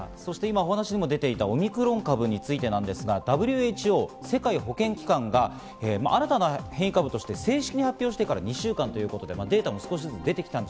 今、お話にも出ていたオミクロン株についてですが、ＷＨＯ＝世界保健機関が新たな変異株として正式に発表してから２週間、データも少しずつ出てきました。